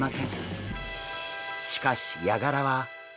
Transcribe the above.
しかしヤガラは。